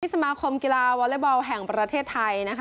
สมาคมกีฬาวอเล็กบอลแห่งประเทศไทยนะคะ